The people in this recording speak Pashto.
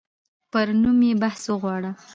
پر نوم یې بحث وغوړاوه.